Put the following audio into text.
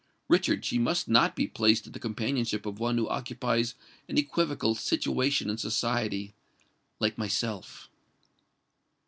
Richard, she must not be placed in the companionship of one who occupies an equivocal situation in society—like myself!"